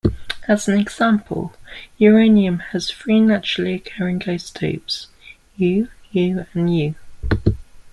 As an example, uranium has three naturally occurring isotopes: U, U and U.